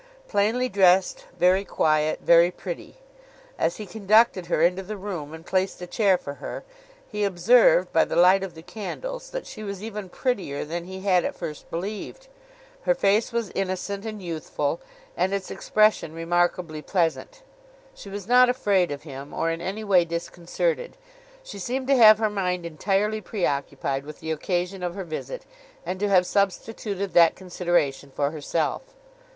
Plainly dressed, very quiet, very pretty. As he conducted her into the room and placed a chair for her, he observed, by the light of the candles, that she was even prettier than he had at first believed. Her face was innocent and youthful, and its expression remarkably pleasant. She was not afraid of him, or in any way disconcerted; she seemed to have her mind entirely preoccupied with the occasion of her visit, and to have substituted that consideration for herself.